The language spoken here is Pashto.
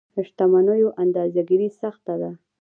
شتمنيو اندازه ګیري سخته ده.